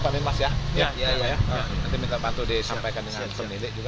nanti minta bantu disampaikan dengan pemilik juga